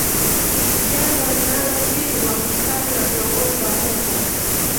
jambo linalopingwa vikali na viongozi wa huko